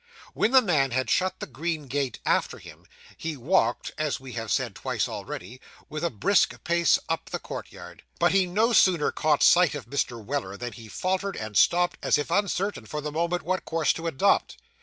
When the man had shut the green gate after him, he walked, as we have said twice already, with a brisk pace up the courtyard; but he no sooner caught sight of Mr. Weller than he faltered, and stopped, as if uncertain, for the moment, what course to adopt.